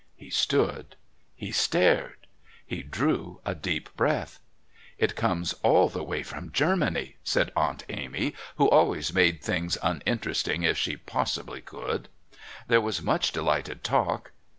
He stood, he stared, he drew a deep breath. "It comes all the way from Germany," said Aunt Amy, who always made things uninteresting if she possibly could. There was much delighted talk.